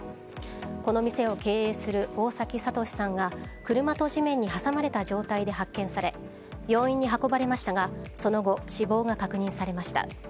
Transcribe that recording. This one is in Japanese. この店を経営する大崎智史さんが車と地面に挟まれた状態で発見され病院に運ばれましたがその後、死亡が確認されました。